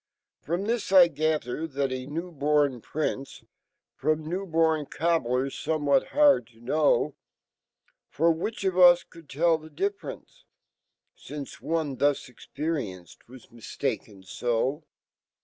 m)us I gather fhat a newborn Prince, j^ From new^bopn cobbler^ 5nnewhat hard IP For 'which of us could telly e difference,$lnce Onefhuj experienced was mistaken so?